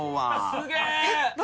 すげえ。